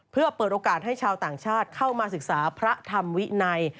เพื่อเปิดโอกาสให้ชาวต่างชาติเข้ามาศึกษาพระธรรมวินัย